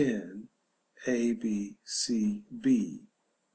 a. b. c.